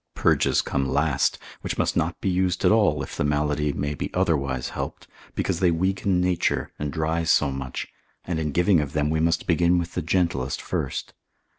Purges come last, which must not be used at all, if the malady may be otherwise helped, because they weaken nature and dry so much, and in giving of them, we must begin with the gentlest first.